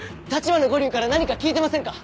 橘五柳から何か聞いてませんか？